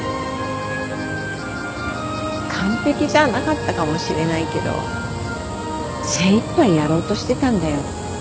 完璧じゃなかったかもしれないけど精いっぱいやろうとしてたんだよ。